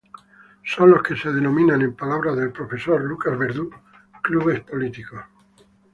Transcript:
Son lo que se denomina, en palabras del profesor Lucas Verdú, clubes políticos.